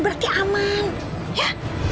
berarti aman ya